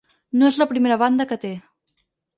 No és la primera banda que té.